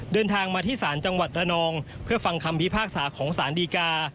เดินทางมาที่ศาลจังหวัดระนองเพื่อฟังคำพิพากษาของสารดีกา